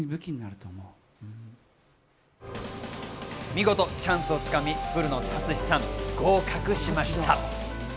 見事、チャンスを掴み、古野達識さん、合格しました。